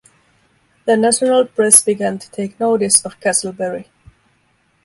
The national press began to take notice of Castleberry.